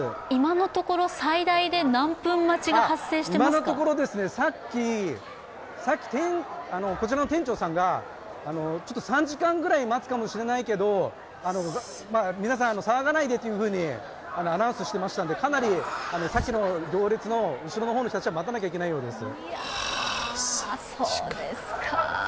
今のところ、さっきこちらの店長さんがちょっと３時間ぐらい待つかもしれないけど皆さん、騒がないでとアナウンスしていたのでかなり、さっきの行列の後ろの人たちは待たなきゃいけないようです。